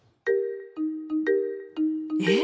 え！